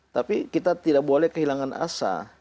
tapi kita tidak boleh kehilangan asa